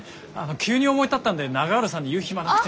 急に思い立ったんで永浦さんに言う暇なくて。